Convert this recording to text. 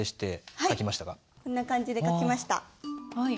こんな感じで書きました。